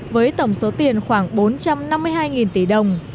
với tổng số tiền khoảng bốn trăm năm mươi hai tỷ đồng